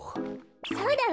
そうだわ。